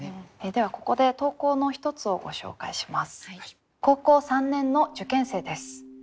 ではここで投稿の一つをご紹介します。